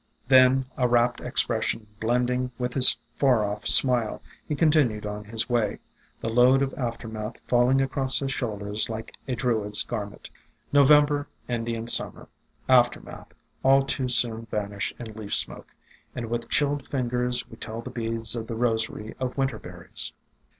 Then, a rapt expression blending with his far off smile, he continued on his way, the load of aftermath falling across his shoulders like a Druid's garment. November, Indian Summer, Aftermath, all too AFTERMATH 341 soon vanish in leaf smoke, and with chilled fingers we tell the beads of the rosary of Winter berries.